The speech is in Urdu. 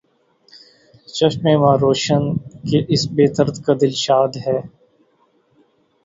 چشمِ ما روشن، کہ اس بے درد کا دل شاد ہے